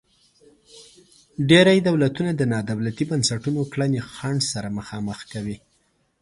ډیری دولتونه د نا دولتي بنسټونو کړنې خنډ سره مخامخ کوي.